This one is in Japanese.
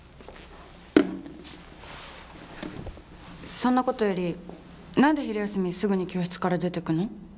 そんなことより何で昼休みすぐに教室から出てくの？